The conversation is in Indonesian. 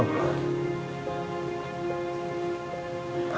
amba tidak mau